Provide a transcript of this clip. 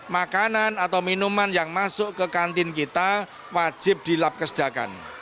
makanan atau minuman yang masuk ke kantin kita wajib dilap kesedakan